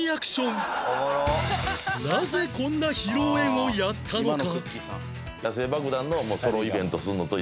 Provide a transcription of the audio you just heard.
なぜこんな披露宴をやったのか？